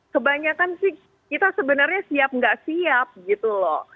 kebanyakan sih kita sebenarnya siap nggak siap gitu loh